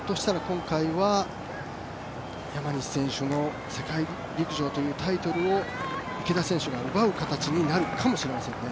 ひょっとしたら今回は山西選手の世界陸上というタイトルを池田選手が奪う形になるかもしれないですね。